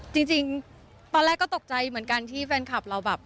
จริงตอนแรกก็ตกใจเหมือนกันที่แฟนคลับเราแบบ